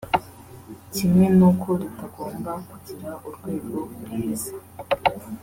Kimwe n’uko ritagomba kugira urwego riheza